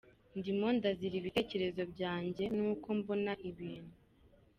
Ndimo ndazira ibitekerezo byanjye n’uko mbona ibintu.